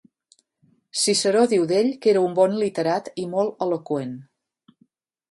Ciceró diu d'ell que era un bon literat i molt eloqüent.